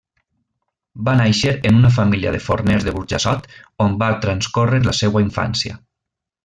Va nàixer en una família de forners de Burjassot, on va transcórrer la seua infància.